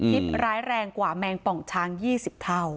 ร้ายแรงกว่าแมงป่องช้าง๒๐เท่า